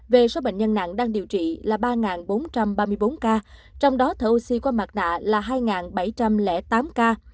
về số bệnh nhân nặng đang điều trị là ba bốn trăm ba mươi bốn ca trong đó thở oxy qua mặt nạ là hai bảy trăm linh tám ca